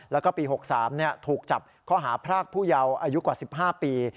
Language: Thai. แล้วก็ปี๖๓ถูกจับข้อหาพรากผู้เยาว์อายุกว่า๑๕ปี